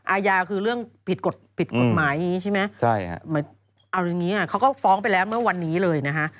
อาญาคือเรื่องผิดกฎหมายอย่างนี้ใช่ไหมเอาอย่างนี้เขาก็ฟ้องไปแล้วเมื่อวันนี้เลยนะฮะ